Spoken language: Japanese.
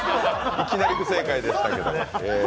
いきなり不正解でしたけどね。